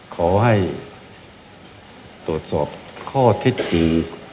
ขอให้ตรวจสอบข้อเท็จจริง